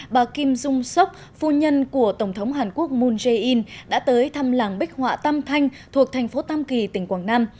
bà kim dung sốc phu nhân của tổng thống hàn quốc moon jae in đã tới thăm làng bích họa tam thanh thuộc thành phố tam kỳ tỉnh quảng nam